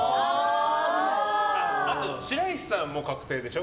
あと、白石さんはもう確定でしょ。